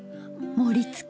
盛りつけ！